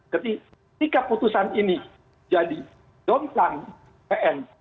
ketika putusan ini jadi dontan pn